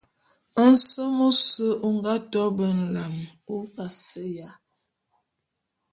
Nsem ôse ô nga to be nlam ô vaseya.